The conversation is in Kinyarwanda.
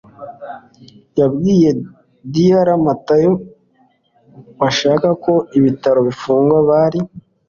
yabwiye dr matayo bashaka ko ibitaro bifungwa. bari